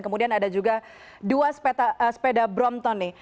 kemudian ada juga dua sepeda brompton nih